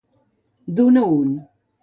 D'un a un.